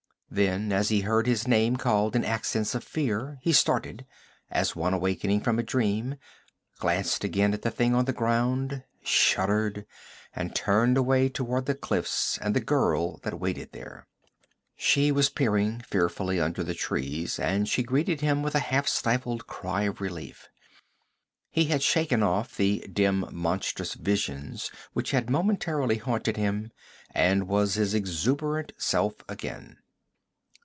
Then as he heard his name called in accents of fear, he started, as one awaking from a dream, glanced again at the thing on the ground, shuddered and turned away toward the cliffs and the girl that waited there. She was peering fearfully under the trees, and she greeted him with a half stifled cry of relief. He had shaken off the dim monstrous visions which had momentarily haunted him, and was his exuberant self again.